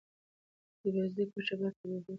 د بېوزلۍ کچه باید په دقیقه توګه معلومه سي.